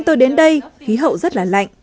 tôi đến đây khí hậu rất là lạnh